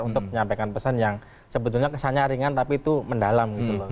untuk menyampaikan pesan yang sebetulnya kesannya ringan tapi itu mendalam gitu loh